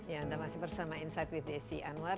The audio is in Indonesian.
ya anda masih bersama insight with desi anwar